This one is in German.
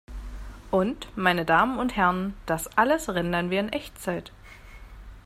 Und, meine Damen und Herren, das alles rendern wir in Echtzeit!